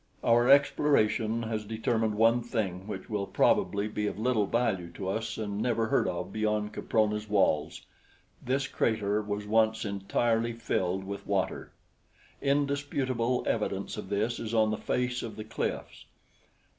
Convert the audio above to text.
Our exploration has determined one thing which will probably be of little value to us and never heard of beyond Caprona's walls this crater was once entirely filled with water. Indisputable evidence of this is on the face of the cliffs.